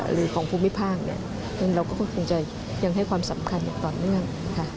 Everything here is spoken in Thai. หรือของภูมิภาคเราก็คงจะยังให้ความสำคัญอย่างต่อเนื่อง